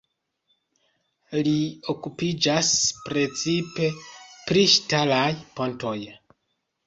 Li okupiĝas precipe pri ŝtalaj pontoj.